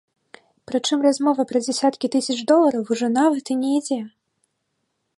Прычым размова пра дзясяткі тысяч долараў ужо нават і не ідзе.